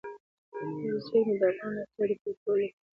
طبیعي زیرمې د افغانانو د اړتیاوو د پوره کولو لپاره یوه ګټوره وسیله ده.